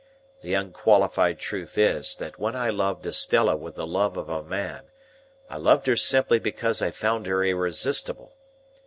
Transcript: The unqualified truth is, that when I loved Estella with the love of a man, I loved her simply because I found her irresistible.